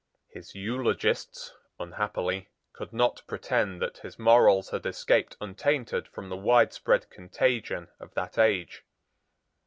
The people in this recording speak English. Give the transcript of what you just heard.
His eulogists, unhappily, could not pretend that his morals had escaped untainted from the widespread contagion of that age.